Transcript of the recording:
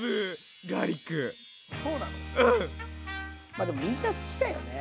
まあでもみんな好きだよね。